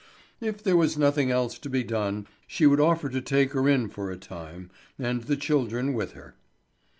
If there was nothing else to be done, she would offer to take her in for a time, and the children with her.